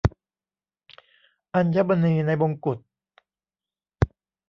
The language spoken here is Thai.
อัญมณีในมงกุฎ